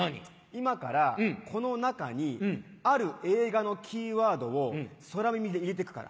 今からこの中にある映画のキーワードを空耳で入れていくから。